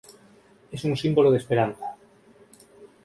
Es un símbolo de esperanza.